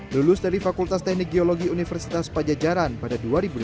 lulus dari fakultas teknik geologi universitas pajajaran pada dua ribu lima belas